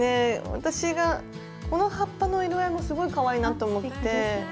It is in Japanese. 私がこの葉っぱの色合いもすごいかわいいなと思って。